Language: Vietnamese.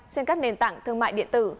trên các nền tảng thương mại điện tử